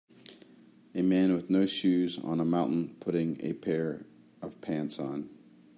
A man with no shoes on a mountain putting a pair of pants on.